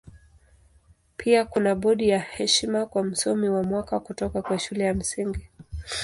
Pia kuna bodi ya heshima kwa Msomi wa Mwaka kutoka kwa Shule ya Msingi.